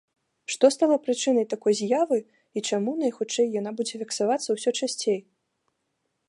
Што стала прычынай такой з'явы і чаму, найхутчэй, яна будзе фіксавацца ўсё часцей?